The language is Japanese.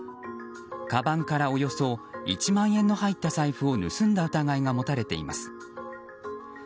かばんからおよそ１万円の入った財布を盗んだ疑いが持たれています。